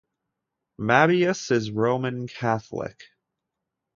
Mabius is Roman Catholic.